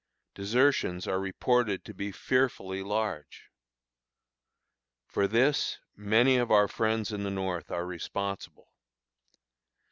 Desertions are reported to be fearfully large. For this many of our friends at the North are responsible.